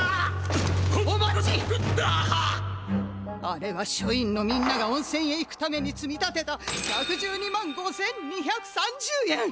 あれはしょいんのみんながおんせんへ行くためにつみ立てた１１２万５，２３０円。